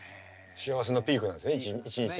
幸せのピークなんですね一日の。